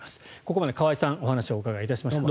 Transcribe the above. ここまで河合さんにお話をお伺いしました。